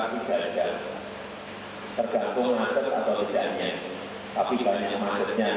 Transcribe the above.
karena kita ingin mengurangi sebanyak banyaknya penggunaan mobil pribadi di jalanan